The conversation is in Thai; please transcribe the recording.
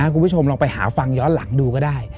คุณผู้ชมลองไปหาฟังย้อนหลังดูก็ได้